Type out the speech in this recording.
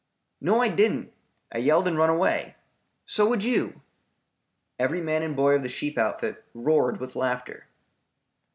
"No, I didn't. I yelled and run away. So would you." Every man and boy of the sheep outfit roared with laughter.